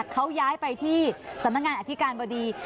เขาย้ายไปที่ศัลทางานอธิการบดี